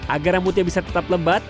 agar rambutnya bisa tetap lembat